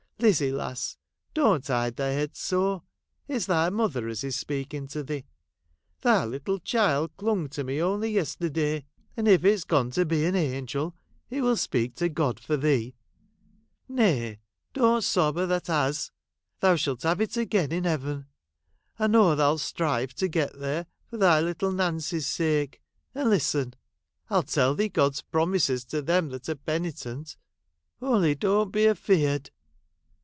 Lizzie, lass, don't hide thy head so, it 's thy mother as is speaking to thee. Thy little child clung to me only yesterday ; and if it 's gone to be an Charlea Dickens.] SHOET CUTS ACKOSS THE GLOBE. 65 angel, it will speak to God for thee. Nay, don't sob a that 'as ; thou shalt have it again in Heaven ; I know thou 'It strive to get there, for thy little Nancy's sake — and listen ! I '11 tell thee God's promises to them that are penitent — only doan't be afeard.'